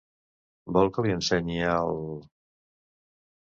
Vol que li ensenyi el...?